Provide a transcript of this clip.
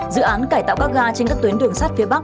dự án cải tạo các ga trên các tuyến đường sắt phía bắc